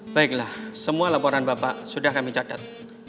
baiklah semua laporan bapak sudah kami catat